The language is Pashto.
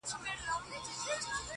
يــاره مـدعـا يــې خوښه ســـوېده.